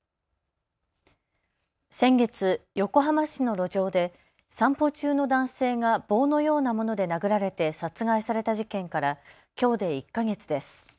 先月、横浜市の路上で散歩中の男性が棒のようなもので殴られて殺害された事件からきょうで１か月です。